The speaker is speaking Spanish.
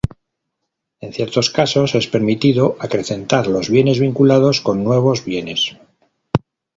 En ciertos casos, es permitido acrecentar los bienes vinculados con nuevos bienes.